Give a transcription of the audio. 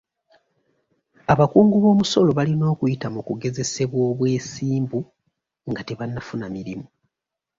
Abakungu b'omusolo balina okuyita mu kugezesebwa obwesimbu nga tebannafuna mirimu.